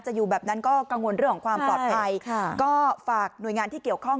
อยู่แบบนั้นก็กังวลเรื่องของความปลอดภัยค่ะก็ฝากหน่วยงานที่เกี่ยวข้อง